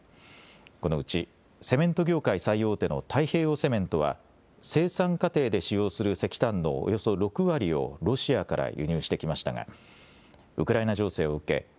このうちセメント業界最大手の太平洋セメントは生産過程で使用する石炭のおよそ６割をロシアから輸入してきましたがウクライナ情勢を受け